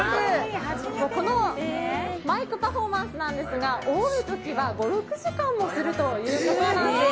このマイクパフォーマンスですが多いときは５、６時間もするということです。